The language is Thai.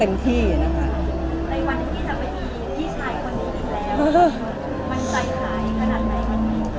ในวันที่จะไม่มีพี่ชายคนนี้อีกแล้วมันใจหายขนาดไหนมันมี